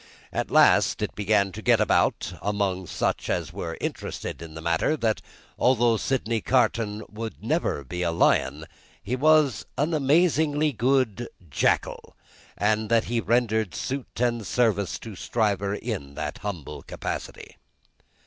At last, it began to get about, among such as were interested in the matter, that although Sydney Carton would never be a lion, he was an amazingly good jackal, and that he rendered suit and service to Stryver in that humble capacity.